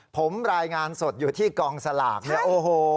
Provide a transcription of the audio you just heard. ผมรายงานสดอยู่ที่กองสลากเนี่ยโอ้โห